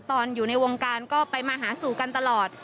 ตอนอยู่ในวงการก็ไปมาหาสู่กันตลอด